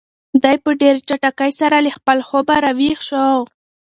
دی په ډېرې چټکۍ سره له خپل خوبه را ویښ شو.